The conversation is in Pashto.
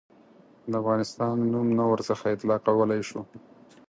د افغانستان نوم نه ورڅخه اطلاقولای شو.